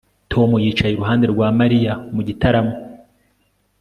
Tom yicaye iruhande rwa Mariya mu gitaramo